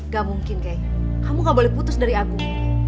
gak mungkin kayak kamu gak boleh putus dari agung